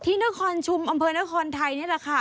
ที่นครชุมอำเภอนครไทยนี่แหละค่ะ